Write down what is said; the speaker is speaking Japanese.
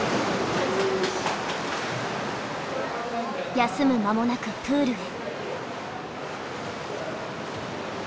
休む間もなくプールへ。